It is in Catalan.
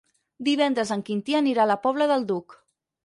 Divendres en Quintí anirà a la Pobla del Duc.